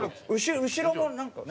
後ろもなんかね